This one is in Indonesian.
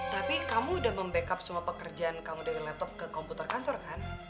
tapi kamu udah membackup semua pekerjaan kamu dari laptop ke komputer kantor kan